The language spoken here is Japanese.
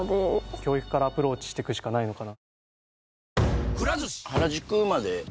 教育からアプローチしていくしかないのかな。